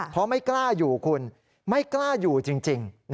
เพราะไม่กล้าอยู่คุณไม่กล้าอยู่จริง